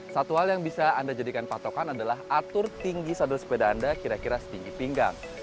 satu hal yang bisa anda jadikan patokan adalah atur tinggi sadul sepeda anda kira kira setinggi pinggang